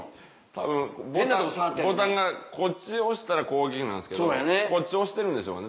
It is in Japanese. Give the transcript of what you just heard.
たぶんボタンがこっち押したら攻撃になるんですけどこっち押してるんでしょうね